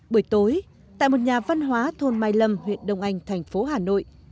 buổi tối tại một nhà văn hóa thôn mai lâm huyện đông anh thành phố hà nội